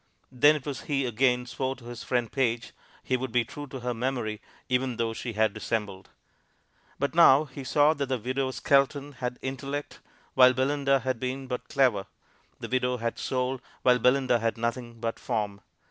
Then it was he again swore to his friend Page he would be true to her memory, even though she had dissembled. But now he saw that the widow Skelton had intellect, while Belinda had been but clever; the widow had soul, while Belinda had nothing but form.